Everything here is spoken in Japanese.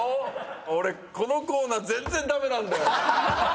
俺このコーナー全然駄目なんだよ。